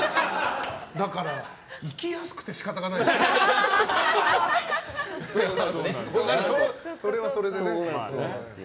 だから、生きやすくて仕方がないです。それはそれでね。